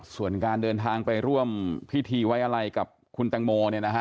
ส่วนการเดินทางไปร่วมพิธีไว้อะไรกับคุณแตงโม